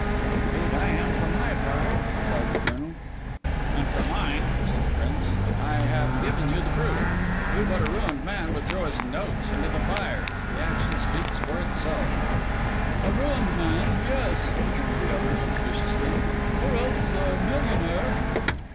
"Indeed, I am for my part," replied the Colonel. "And for mine," said the Prince, "I have given you proof. Who but a ruined man would throw his notes into the fire? The action speaks for itself." "A ruined man—yes," returned the other suspiciously, "or else a millionaire."